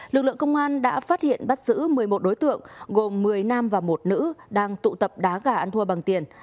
lực lượng công an đã phát hiện bắt giữ một mươi một đối tượng gồm một mươi nam và một nữ đang tụ tập đá gà ăn thua bằng tiền